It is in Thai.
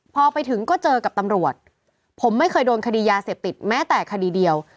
พอไปถึงก็เจอกับตำรวจผมไม่เคยโดนคดียาเสพติดแม้แต่คดีเดียว